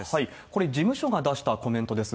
これ、事務所が出したコメントです。